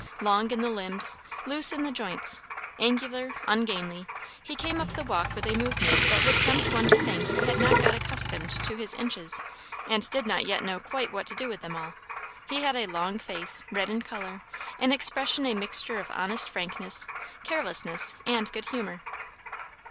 Long in the limbs, loose in the joints, angular, ungainly, he came up the walk with a movement that would tempt one to think he had not got accustomed to his inches and did not yet know quite what to do with them all. He had a long face, red in colour; in expression a mixture of honest frankness, carelessness, and good humour.